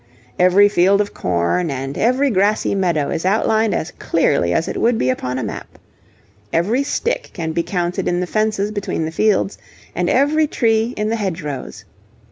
Every field of corn and every grassy meadow is outlined as clearly as it would be upon a map. Every stick can be counted in the fences between the fields and every tree in the hedge rows.